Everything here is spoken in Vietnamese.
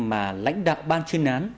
mà lãnh đạo ban chuyên án